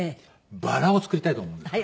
バラを作りたいと思うんです。